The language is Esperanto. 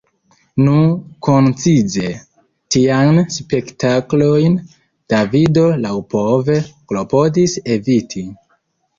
Nu koncize, tiajn spektaklojn Davido laŭpove klopodis eviti.